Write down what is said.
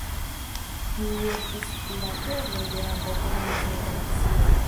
Tiuj estis la kernoj de ambaŭ komencaj galaksioj.